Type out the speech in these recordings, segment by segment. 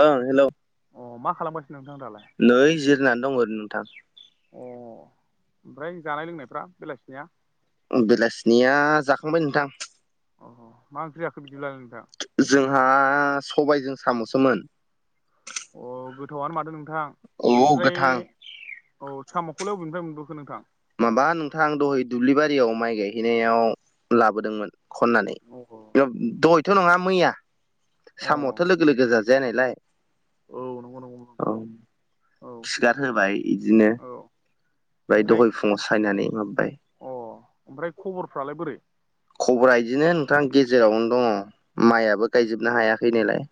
ओं हेलौ अ मा खालामगासिनो नोंथां दालाय नै जिरायनानै दं ओरै नोंथां। अ ओमफ्राय जानाय लोंनायफ्रा बेलासिनिया। बेलासिनिया जाखांबाय नोंथां। अ मा ओंख्रि जाखो बिदिब्ला नोंथां? जोंहा सबायजों साम'सोमोन। अ गोथावानो माथो नोंथां औ अबेनिफ्राय गोथां औ साम'खौलाय अबेनिफ्राय मोनबोखो नोंथां? माबा नोंथां आं दहाय दुब्लिबारियाव माइ गायहैनायाव लाबोदोंमोन। खननानै अ [unintelligible] दहयथ' नङा मैया अ साम'थ' लोगो लोगो जाजायानायलाय औ नंगौ नंगौ नोंथां ओम औ सिगार होबाय इदिनो [unintelligible] औ ओमफ्राय दहय ख अ ओमफ्राय खबरफ्रालाय बोरै खबरा इदिनो नोंथां गेजेरावनो दङ' माइयाबो गायजोबनो हायाखै नालाय।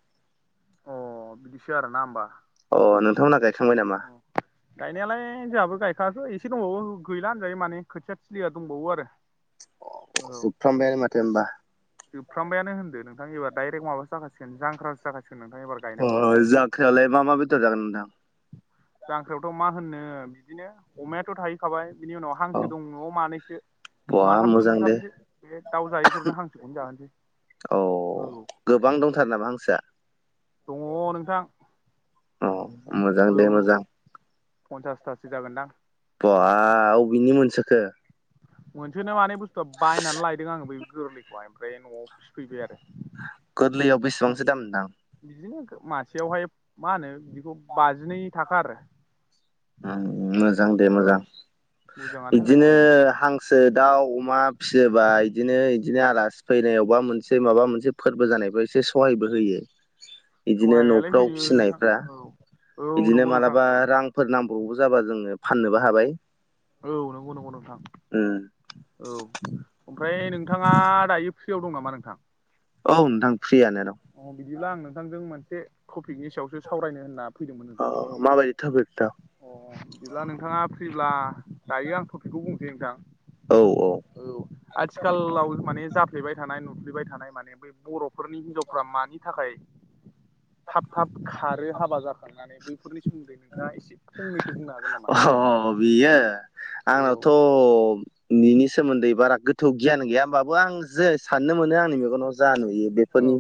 अ बिदिसो आरो ना होमबा। अ नोंथांमोनहा गायखांबाय नामा? [unintelligible] गायनायालाय जोंहाबो गायखाङाखै एसे दंबावो गैला होनजायो माने खोथिया थिलिया दंबावो आरो औ। फुखांबायानो माथो होमबा जोबफ्रामबायानो होनदो नोंथां एबार डाइरेक् माबा जाखासिगोन जांख्रासो जाखासिगोन नोंथां एबार अ गायनांगौबा। जांख्रायावलाय मा मा बेदर जागोन नोंथां? जांख्रायावथ' मा होननो बिदिनो अमायाथ' थाहै खाबाय बिनि उनाव औ हांसो दं न'आव मानैसो। बहा माथामसो मोजां दे बुथारनोसै बे दाउ जायैफोरनो हांसोखौनो जाहोनोसै। औ गोबां दंथारो नामा हांसोआ? दङ' नोंथां। अ मोजां औ दे मोजां। पन्सासथासो जागोनदां। बा अबेनि मोनसोखो मोनसोनो माने बुस्थुआ बायनानै लायदों आङो बे गोरलैखौहाय ओमफ्राय न'आव फिसिफैबाय आरो गोरलैयाव बेसेबांसो दामदां बिदिनो मासेयावहाय मा होनो बिदिखौ बाजिनै थाखा आरो [unintelligible] मोजां दे औ मोजां। मोजाङानो बिदिनो होननांसिगोन हां दाउ अमा फिसियोबा बिदिनो बिदिनो आलासि फैनाय अबेबा मोनसे माबा मोनसे फोरबो जानायफ्राएसे सहायबो होयो। इदिनो सहायालाय होयो नोंथां औ औ बिदिनो नंगौ नोंथां मालाबा रांफोर नांब्रबबो जाबा जोङो फाननोबो हाबाय। औ नंगौ नंगौ नोंथां। उम औ। ओमफ्राय नोंथाङा दायो फ्रियाव दं नामा नोंथां? औ नोंथां फ्रियानो द' अ बिदिब्ला आं नोंथांजों मोनसे टपिकनि सायावसो सावरायनो होनना। फैदोंमोन अ नोंदां माबायदि टपिक नोंथां? अ बिदिब्ला नोंथाङा फ्रिब्ला दायो आं टपिकखौ बुंनोसै नोंथां। औ औ औ आथिखालाव माने जाफ्लेबाय थानाय नुफ्लेबाय थानाय माने बर'फोरनि हिनजावफ्रा मानि थाखाय थाब थाब खारो हाबा जाखांनानै बैफोरनि सोमोन्दै नोंथाङा एसे फंनैसो बुंनो हागोन। नामा? अ बियो औ आंनावथ' [unintelligible] बिनि सोमोन्दै बारा गोथौ गियान गैया होमबाबो आं जे साननो मोनो आंनि मेगनाव जा नुयो बे औ फोरनि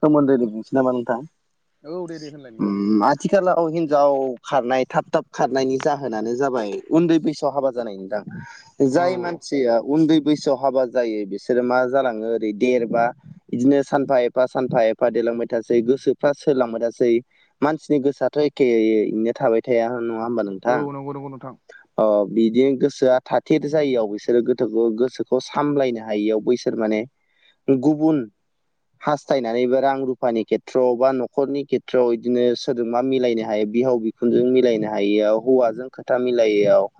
सोमोन्दै बुंसै नामा नोंथां? औ दे दे होनलाय नोंथां आथिखालाव हिनजाव खारनाय थाब थाब खारनायनि जाहोनानो जाबाय उन्दै बैसोआव हाबा जानायनि दां औ जाय औ मानसि या उन्दै बैसोआव हाबा जायो बिसोरो मा जालाङो ओरै देरबा बिदिनो सानफा एफा सानफा एफा देलांबाय थासै गोसोफ्रा सोलायलांबाय थासै मानसिनि गोसोआथ' एखे बेनो थाबाय थाया नङा होमबाना औ नंगौ नंगौ नोंथां। अ बिदि गोसोआ थाथेर जाययाव बिसोरो गोथो गोसोखौ सामलायनो हायियाव बैसोर माने गुबुन हास्थायनानै बा रां रुफानि खेथ्रआव बा न'खरनि खेथ्रआव बिदिनो सोरजोंबा मिलायनो हायो बिहाव बि सुनजों मिलायनो हायियाव हौवाजों खोथा मिलायैयाव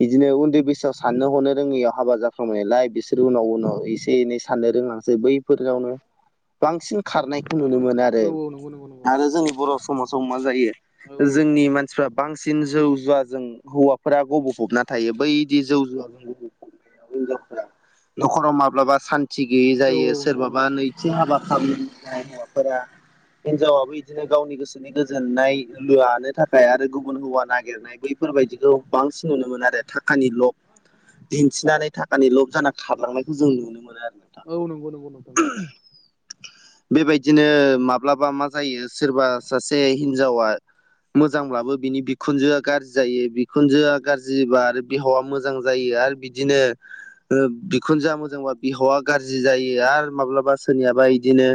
बिदिनो उन्दै बैसोआव साननो हरनो रोङैयाव हाबा जाफांनायालाय बिसोरो उनाव उनाव एसे एनै साननो रोंलांसै बैफोरनावनो बांसिन खारनायखौ नुनो मोनो औ आरो औ नंगौ नंगौ नंगौ आरो जोंनि बर' समाजाव मा जायो औ औ जोंनि मानसिफ्रा बांसिन जौ जुवाजों हौवाफोरा गबफबना थायो बैदि जौ जुवाजोंब न'खराव माब्लाबा सान्थि गैयै औ जायो नंगौ सोरबा बा नंगौ नैथि हाबा खालामनाय हौवाफोरा हिनजावाबो बिदिनो गावनि गोसोनि गोजोननाय ला लानो थाखाय आरो गुबुन हौवा नागिरनाय बैफोरबायदिखौ बांसिन नुनो मोनो आरो थाखानि ल'क दिन्थिनानै थाखानि लब जाना खारलांनायखौ जों नुनो मोनो आरो नोंथां औ नंगौ नंगौ नोंथां नगौ बेबायदिनो माब्लाबा मा जायो सोरबा सासे हिनजावा मोजांब्लाबो बिनि बिखुनजोआ गाज्रि जायो बिखुनजोआ गाज्रि आरो बिहावा मोजां मोजां जायो आरो बिदिनो बिखुनजोआ मोजांबा बिहावा गाज्रि जायो आरो माब्लाबा सोरनियाबा इदिनो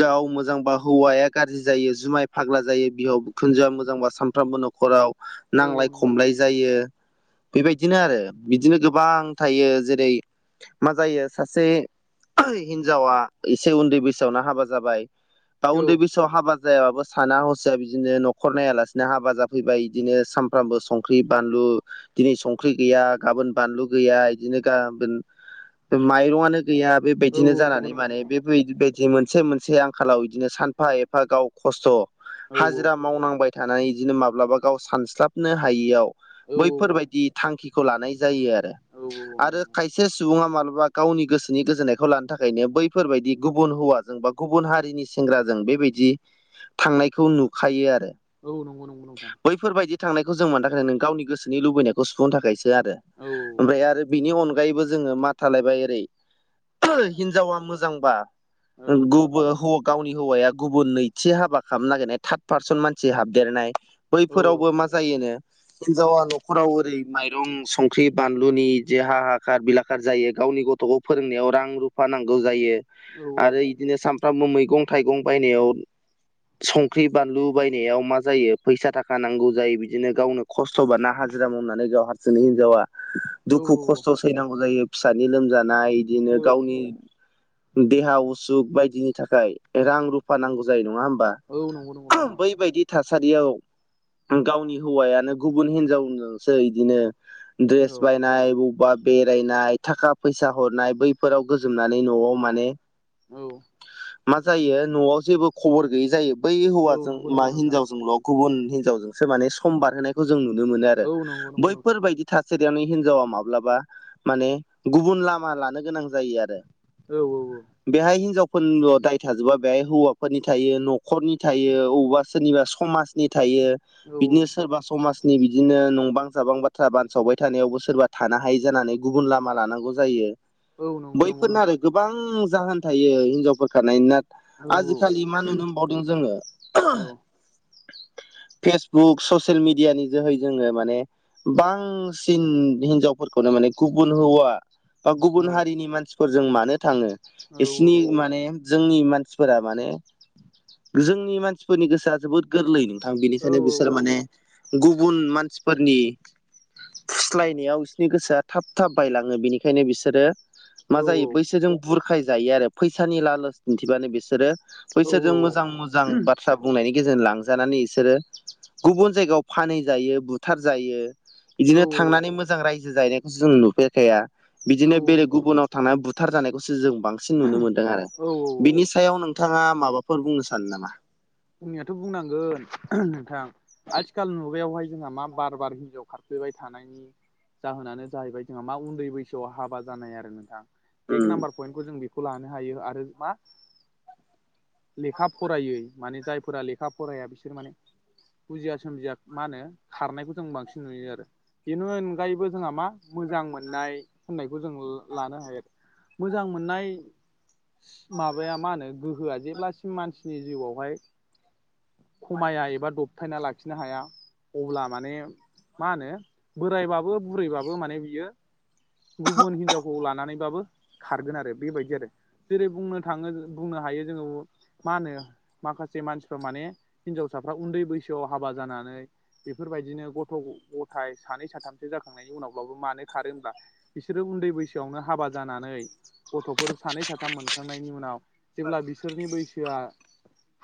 गाव मोजांबा हौवाया गाज्रि जायो जुमाय फाग्ला जायो बिहाव बिखुनजोआ मोजांबा सान सानफ्रोमबो न'खराव औ नांलाय नंगौ नंगौ नोंथां खमलाय जायो बेबायदिनो आरो बिदिनो गोबां थायो जेरै मा जायो सासे हिनजावा एसे उन्दै बैसोआवनो हाबा जाबाय दा उन्दै नंगौ बैसोआव हाबा जायाबाबो साना हसिया बिदिनो न'खर नायालासिनो ना हाबाजाब फैबाय बिदिनो सानफ्रामबो संख्रि बानलु दिनै संख्रि गैया गाबोन बानलु गैया बिदिनो गाबोन माइरंआनो गैया औ बेबायदिनो नंगौ जानानै माने नोंथां बे बायदि मोनसे मोनसे आंखालाव इदिनो सानफा एफा गाव खस्थ' औ औ हाजिरा मावनांबाय थानानै इदिनो माब्लाबा गाव सानस्लाबनो हायियाव बैफोरबायदि थांखिखौ लानाय जायो आरो आरो खायसे सुबुङा माबलाबा गावनि गोसोनि गोजोन्नायखौ लानो थाखायनो बैफोरबायदि गुबुन हौवा जोंबा गुबुन हारिनि सेंग्राजों बेबायदि थांनायखौ नुखायो आरो औ नंगौ नंगौ नोंथां। बैफोरबायदि थांनायखौ जों मानि थाखाय होनदों गावनि गोसोनि लुबैनायखौ सुफुंनो थाखायसो। आरो औ ओमफ्राय आरो बिनि अनगायैबो जोङो मा थालायबाय ओरै हिनजावा मोजांबा औ गुबो हब गावनि हौवाया गुबुन नैथि हाबा खामनो नागिरनाय थार्द पारसन मानसि हाबदेरनाय औ बैफोरावबो मा जायोनो हिनजावा न'खराव ओरै माइ रं संख्रि बानलुनि जे हा हाखार बिलाखार जायो गावनि गथ'खौ फोरोंनायाव रां रु फा नांगौ जायो। आरो इदिनो सानफ्रामबो मैगं थाइगं बायनायाव संख्रि बानलु बायनायाव मा जायो फैसा थाखा नांगौ जायो बिदिनो गावनो खस्थ'बा ना हाजिरा मावनानै गाव हारसिंनो हिनजावा औ दुखु खस्थ' सैनांगौ जायो फिसानि लोमजानाय औ इदिनो गावनि देहा उसुख बायदिनि थाखाय रां रुफा नांगौ जायो नङा होमबा? औ नंगौ नंगौ नोंथां। बैबायदि थासारियाव गावनि हौवायानो गुबुन हिनजावनोसो इदिनो द्रेस औ बायनाय बबेबा बेरायनाय थाखा फैसा हरनाय बैफोराव गोजोमनानै न'आव माने औ मा जायो न'आव जेबो खबर गैयै जायो बै औ हौवाजों नंगौ मा नंगौ नोंथां हिनजावजोंल' गुबुन हिनजावजोंसो माने सम बारहोनायखौ जों नुनो मोनो औ आरो नंगौ नंगौ नोंथां बैफोरबायदि थासारियावनो हिनजावा माब्लाबा माने गुबुन लामा लानो गोनां जायो आरो। औ औ औ। बेहाय हिनजावफोरनिल' दाय थाजोबा बेहाय हौवाफोरनि थायो न'खरनि थायो। बबावबा सोरनिबा समाजनि थायो औ बिदिनो सोरबा समाज नि बिदिनो नंबां जाबां बाथ्रा बानसावबाय थानायावबो सोरबा थानो हायि जानानै गुबुन लामा लानांगौ जायो। औ नंगौ नंगौ बैफोरनो नोंथां आरो गोबां जाहोन थायो हिनजावफोर खारनाय ना औ औ आजिखालि मा नुनो मोनबावदों जोङो औ फेसबुक ससियेल मिडियानि जोहै जोङो माने बांसिन हिनजावफोरखौनो माने गुबुन हौवा बा औ गुबुन हारिनि मानसिफोरजों मानो थाङो औ औ बिसिनि माने जोंनि मानसिफोरा माने जोंनि मानसिफोरनि गोसोआ जोबोद गोरलै नोंथां बेनिखायनो बिसोर औ औ माने गुबुन मानसिफोरनि फुस्लायनायाव इसिनि गोसोआ थाब थाब बायलाङो बेनिखायनो बिसोरो मा जायो बैसोरजों बुरखाय जायो आरो फैसानि लालस दिन्थिबानो बिसोरो बैसोरजों मोजां मोजां बाथ बाथ्रा बुंनायनि गेजेरजों लांजानानै इसोरो गुबुन जायगायाव फानहै जायो बुथार जायो। बिदिनो थांनानै मोजां रायजो जाहैनायखौ जों नुफेरखाया बिदिनो नंगौ बेलेग नंगौ गुबुनाव थांनानै बुथ बुथार जानायखौसो जों बांसिन नुनो मोन्दों आरो औ औ बिनि सायाव नोंथाङा माबाफोर बुंनो सानो नामा? बुंनायाथ' बुंनांगोन नोंथां। आथिखाल मुगायावहाय जोंहा मा बार बार हिनजाव खारफ्लैबाय थानायनि जाहोनानो जाहैबाय जोंहा मा उन्दै बैसोआव हाबा जानाय आरो नोंथां। एक नाम्बार पइन्टखौ जों बेखौ लानो हायो आरो मा लेखा फरायै माने जायफोरा लेखा फराया बिसोर माने बुजिया सोमजिया मा होनो खारनायखौ जों बांसिन नुयो आरो बेनि अनगायैबो जोंहा मा मोजां मोननाय होननायखौ जों लानो हायो मोजां मोननाय माबाया मा होनो गोहोआ जेब्लासिम मानसिनि जिउआवहाय खमाया एबा दबथायना लाखिनो हाया अब्ला माने मा होनो बोरायबाबो बुरैबाबो माने बियो गुबुन हिनजावखौ लानानैबाबो खारगोन आरो बेबायदि आरो जेरै बुंनो थाङो बुंनो हायो जोङो मा होनो माखास जे मानसिफ्रा माने हिनजावसाफ्रा उन्दै बैसोआव हाबा जानानै बेफोरबायदिनो गथ' गथाय सानै साथामसो जाखांनायनि उनावब्लाबो मानो खारो होमब्ला बिसोरो उन्दै बैसोआवनो हाबा जानानै गथ'फोर सानै साथाम मोनखांनायनि उनाव जेब्ला बिसोरनि बैसोआ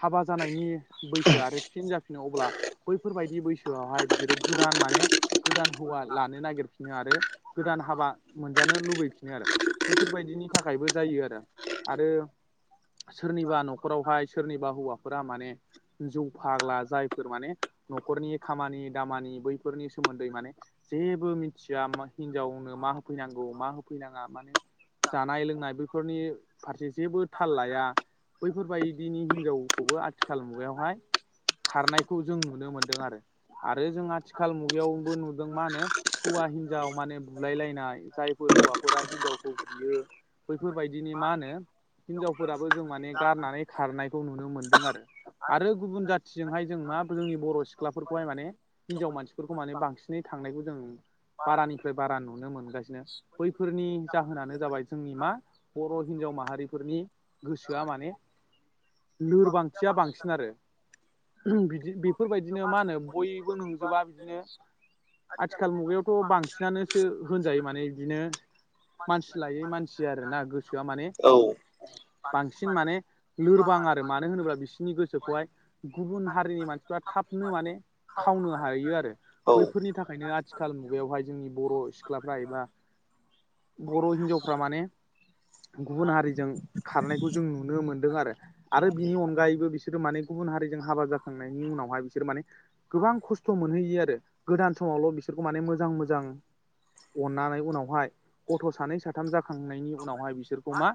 हाबा जानायनि बैसोआ आरो फिन जाफिनो अब्ला बैफोरबायाददि बैसोआवहाय बिसोरो गोदान माने गोदान हौवा लानो नागिरफिनो आरो गोदान हाबा मोनजानो लुबैफिनो आरो बैफोरबायदिनि थाखायबो जायो आरो आरो सोरनिबा न'खरावहाय सोरनिबा हौवाफोरा माने जौ फाग्ला जायफोर माने न'खरनि खामानि दामानि बैफोरनि सोमोन्दै माने जेबो मिथिया हिनजावनो मा होफैनांगौ मा होफैनाङा मानो जानाय लोंनाय बैफोरनि फारसे जेबो थाल लाया बैफोरबायदिनि हिनजाव खौबो आथिखाल मुगायावहाय खारनायखौ जों नुनो मोनदों आरो आरो जों आथिखाल मुगायावबो नुदों मा होनो हौवा हिनजाव माने बुलायलायनाय जायफोर हौवाफोरा हिनजावखौ बुयो बैफोरबायदिनि मा होनो हिनजावफोराबो जों माने गारनानै खारनायखौ नुनो मोनो दों आरो आरो गुबुन जाथिजोंहाय जों मा जोंनि बर' सिख्लाफोरखौहाय माने हिनजाव मानसिफोरखौ माने बांसिनै थांनायखौ जों बारानिफ्राय बारा नुनो मोनगासिनो बैफोरनि जाहोनानो जाबाय जोंनि मा बर' हिनजाव माहारिफोरनि गोसोआ माने लोरबांथिया बांसिन आरो बिदि बेफोरबायदिनो मा होनो बयबो नंजोबा बिदिनो आथिखाल मुगायावथ' बांसिनानो सो होनजायो माने बिदिनो मानसि लायै मानसि आरोना गोसोआ माने औ बांसिन माने लोरबां आरो मानो होनोब्ला बि सोरनि गोसोखौहाय गुबुन हारिनि मानसिफ्रा थाबनो माने खावनो हायो आरो औ बैफोरनि थाखायनो आथिखाल मुगायावहाय जोंनि बर' सिख्लाफ्रा एबा बर' हिनजावफ्रा माने गुबुन हारिजों खारनायखौ जों नुनो मोनदों आरो आरो बिनि अनगायै बिसोरो माने गुबुन हारिजों हाबा जाखांनायनि उनावहाय बिसोर माने गोबां खस्थ' मोनहैयो आरो गोदान समावल' बिसोरखौ माने मोजां मोजां अननानै उनावहाय गथ' सानै साथाम जाखांनायनि उनावहाय बिसोरखौ मा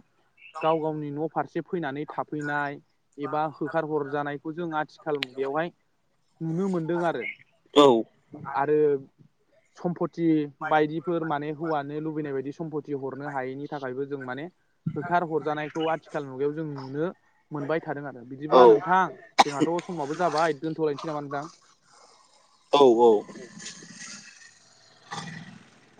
गाव गावनि न' फारसे फैनानै थाफैनाय एबा होखारहरजानायखौ जों आथिखाल बेयावहाय नुनो मोनदों आरो औ आरो सम्पति बायदिफोर माने हौवानो लुबैनाय बायदि सम्पति हरनो हायैनि थाखायबो जों माने होखार हरजानायखौ आथिखाल मुगायाव जों नुनो मोनबाय थादों आरो बिदिब्ला औ नोंथां जोंहाथ' समाबो जाबाय दोनथ'लायनोसै नामा नोंथां? औ औ [inaudible]